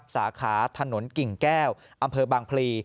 สาขาถนนกิ่งแก้วอำเภอบางพลี